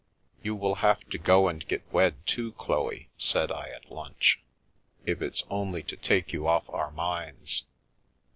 " You will have to go and get wed, too, Chloe," said I, at lunch, " if it's only to take you off our minds."